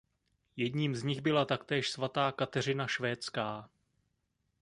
Jedním z nich byla taktéž svatá Kateřina Švédská.